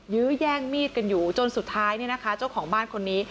ยื้อแย่งมีดกันอยู่จนสุดท้ายเนี่ยนะคะเจ้าของบ้านคนนี้